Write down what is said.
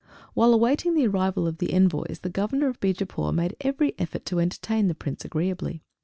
While awaiting the arrival of the envoys the Governor of Beejapoor made every effort to entertain the Prince agreeably.